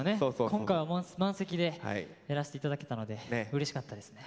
今回は満席でやらせて頂けたのでうれしかったですね。